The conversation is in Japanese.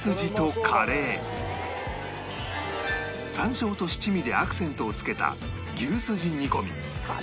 山椒と七味でアクセントをつけた牛すじ煮込み